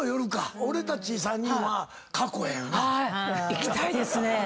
行きたいですね。